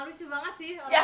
lucu banget sih orangnya